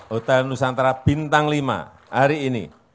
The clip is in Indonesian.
hotel nusantara bintang lima hari ini